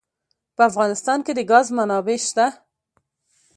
په افغانستان کې د ګاز منابع شته.